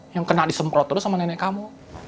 yang kena disemprot terus sama nenek kamu